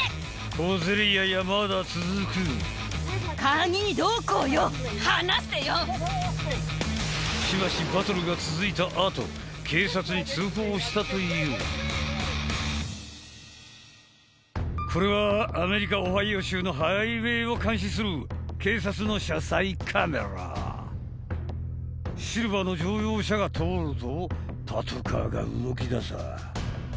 小競り合いはまだ続くしばしバトルが続いたあと警察に通報したというこれはのハイウエーを監視する警察の車載カメラシルバーの乗用車が通るとパトカーが動きださあ